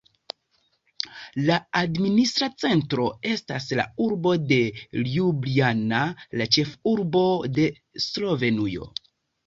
La administra centro estas la urbo de Ljubljana, la ĉefurbo de Slovenujo.